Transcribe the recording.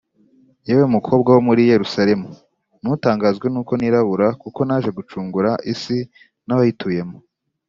Yewe mukobwa wo muri yelusalemu ni utangazwe nuko nirabura kuko naje gucungura isi na bayituyemo